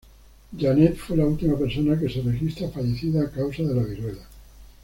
Janet fue la última persona que se registra fallecida a causa de la Viruela.